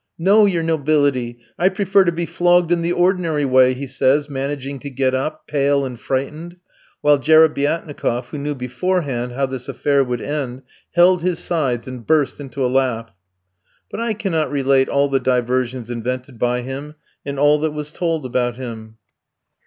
"No, your nobility, I prefer to be flogged in the ordinary way," he says, managing to get up, pale and frightened. While Jerebiatnikof, who knew beforehand how this affair would end, held his sides and burst into a laugh. But I cannot relate all the diversions invented by him, and all that was told about him.